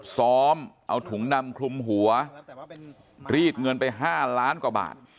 ซ้อมเอาถุงดำคลุมหัวรีดเงินไป๕ล้านกว่าบาท